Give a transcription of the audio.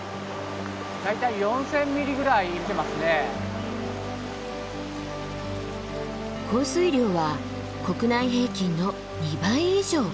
大体降水量は国内平均の２倍以上。